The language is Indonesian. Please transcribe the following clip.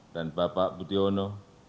dan bapak butiono